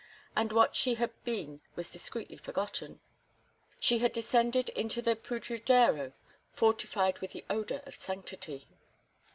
And what she had been was discreetly forgotten; she had descended into the Pudridero fortified with the odor of sanctity.